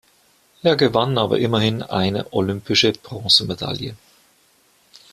Er gewann aber immerhin eine olympische Bronzemedaille.